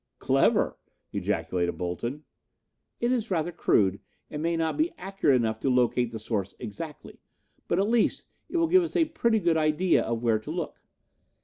"Clever!" ejaculated Bolton. "It is rather crude and may not be accurate enough to locate the source exactly, but at least it will give us a pretty good idea of where to look.